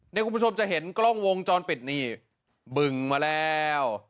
คุณผู้ชมจะเห็นกล้องวงจรปิดนี่บึงมาแล้ว